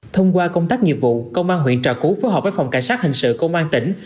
thông qua công tác nghiệp vụ công an huyện trà cú phối hợp với phòng cảnh sát hình sự công an tỉnh